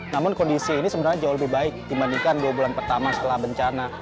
namun kondisi ini sebenarnya jauh lebih baik dibandingkan dua bulan pertama setelah bencana